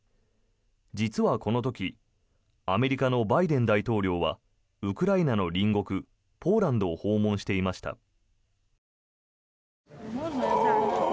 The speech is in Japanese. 実は、この時アメリカのバイデン大統領はウクライナの隣国ポーランドを訪問していました。